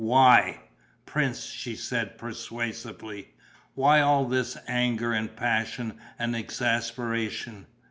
"Why?" "Prince," she said, persuasively, "why all this anger and passion and exasperation?